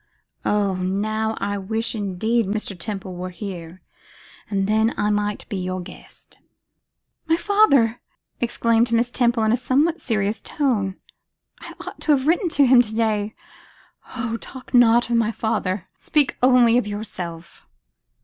Oh! now I wish indeed Mr. Temple were here, and then I might be your guest.' 'My father!' exclaimed Miss Temple, in a somewhat serious tone. 'I ought to have written to him to day! Oh! talk not of my father, speak only of yourself.